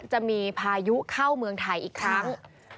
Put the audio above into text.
จะมีพายุเข้าเมืองไทยอีกครั้ง